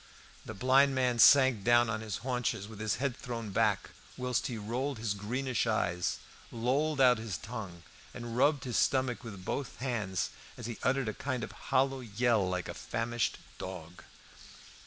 The blind man sank down on his haunches, with his head thrown back, whilst he rolled his greenish eyes, lolled out his tongue, and rubbed his stomach with both hands as he uttered a kind of hollow yell like a famished dog.